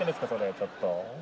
ちょっと。